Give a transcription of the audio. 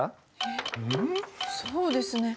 そうですね。